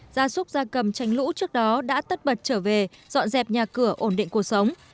gia súc gia cầm tránh lũ trước đó đã tất bật trở về dọn dẹp nhà cửa ổn định cuộc sống